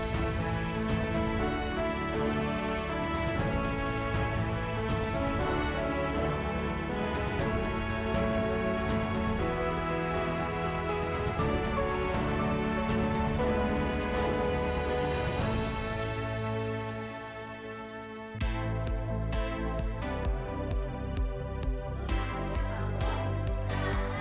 kisah triwi diaswari